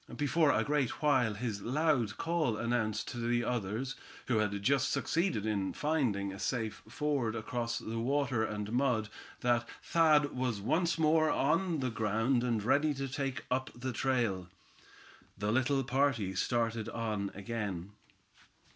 Before a great while his loud call announced to the others, who had just succeeded in finding a safe ford across the water and mud, that Thad was once more on the ground, and ready to take up the trail. The little party started on again.